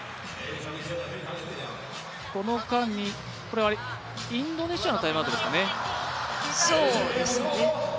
この間に、インドネシアのタイムアウトですかね。